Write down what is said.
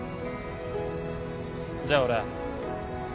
じゃあ俺。